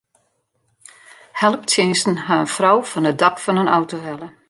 Helptsjinsten ha in frou fan it dak fan in auto helle.